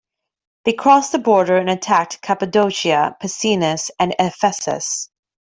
They crossed the border and attacked Cappadocia, Pessinus, and Ephesus.